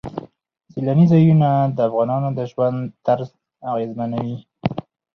سیلاني ځایونه د افغانانو د ژوند طرز اغېزمنوي.